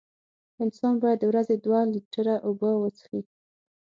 انسان باید د ورځې دوه لېټره اوبه وڅیښي.